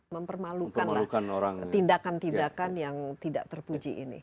mempermalukanlah tindakan tindakan yang tidak terpuji ini